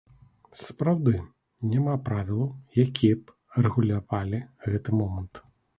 Сапраўды, няма правілаў, якія б рэгулявалі гэты момант.